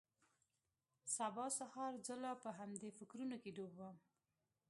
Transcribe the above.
سبا سهار زه لا په همدې فکرونو کښې ډوب وم.